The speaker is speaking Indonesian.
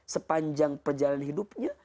sepanjang perjalanan hidupnya